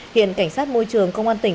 hiện cảnh sát môi trường công an tỉnh